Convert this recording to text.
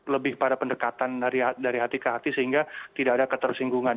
lebih pada pendekatan dari hati ke hati sehingga tidak ada ketersinggungan